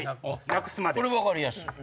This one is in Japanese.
これ分かりやすい。